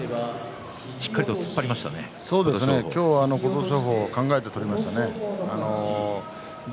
今日は琴勝峰考えて取りましたね。